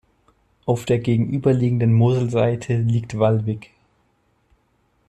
Auf der gegenüberliegenden Moselseite liegt Valwig.